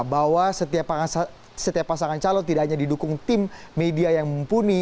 bahwa setiap pasangan calon tidak hanya didukung tim media yang mumpuni